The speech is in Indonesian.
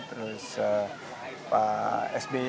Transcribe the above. terus pak sby